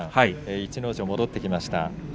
逸ノ城は戻ってきました。